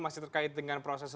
pak buka kantanya pak